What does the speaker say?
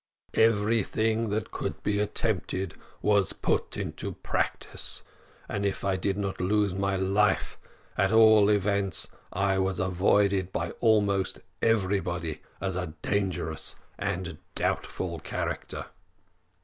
"Everything that could be attempted was put into practice; and if I did not lose my life, at all events I was avoided by almost everybody as a dangerous and doubtful character.